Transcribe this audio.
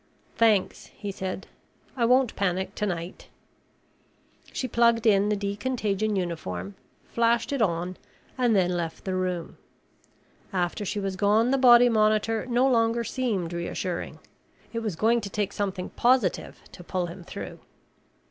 "Thanks," he said. "I won't panic tonight." She plugged in the decontagion uniform, flashed it on and then left the room. After she was gone, the body monitor no longer seemed reassuring. It was going to take something positive to pull him through.